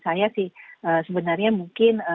saya sih sebenarnya mungkin